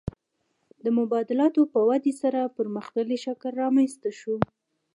د مبادلاتو په ودې سره پرمختللی شکل رامنځته شو